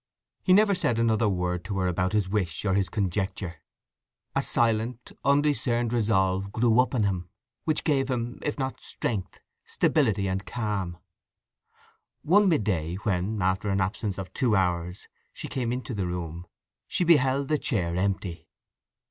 He never said another word to her about his wish or his conjecture. A silent, undiscerned resolve grew up in him, which gave him, if not strength, stability and calm. One midday when, after an absence of two hours, she came into the room, she beheld the chair empty.